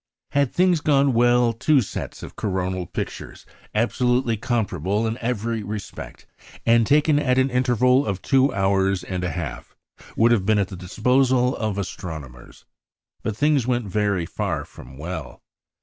Had things gone well two sets of coronal pictures, absolutely comparable in every respect, and taken at an interval of two hours and a half, would have been at the disposal of astronomers. But things went very far from well.